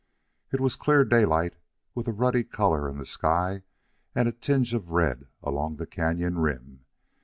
It was clear daylight, with a ruddy color in the sky and a tinge of red along the cañon rim.